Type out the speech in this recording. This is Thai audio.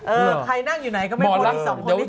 เอ่อใครนั่งอยู่ไหนอีกไม่พอที่สองคน